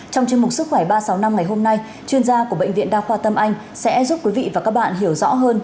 trong chương mục sức khỏe ba trăm sáu mươi năm ngày hôm nay chuyên gia của bệnh viện đa khoa tâm anh sẽ giúp quý vị và các bạn hiểu rõ hơn